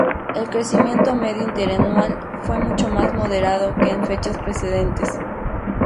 El crecimiento medio interanual fue mucho más moderado que en fechas precedentes.